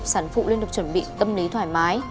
sản phụ luôn được chuẩn bị tâm lý thoải mái